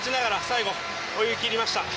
最後、泳ぎ切りました。